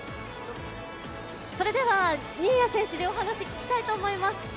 新谷選手にお話聞きたいと思います。